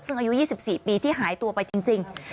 ซึ่งอายุ๒๔ปีที่หายตัวไปจริง